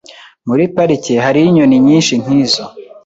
Muri parike hariho inyoni nyinshi nkizo.